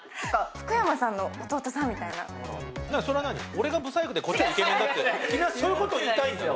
俺が不細工でこっちはイケメンだって君はそういうことを言いたいんだろ？